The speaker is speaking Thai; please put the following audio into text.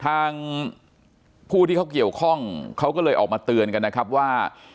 ทางผู้ที่เขาเกี่ยวข้องเขาก็เลยออกมาเตือนกันนะครับว่า